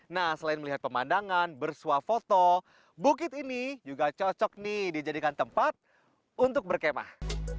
nah selain melihat pemandangan bersuah foto bukit ini juga cocok nih dijadikan tempat untuk berkemah